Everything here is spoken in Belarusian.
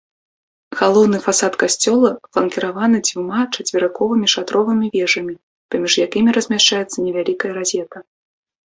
Галоўны фасад касцёла фланкіраваны дзвюма чацверыковымі шатровымі вежамі, паміж якімі размяшчаецца невялікая разета.